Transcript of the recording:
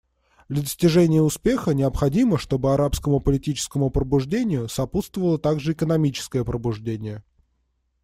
Для достижения успеха необходимо, чтобы арабскому политическому пробуждению сопутствовало также экономическое пробуждение.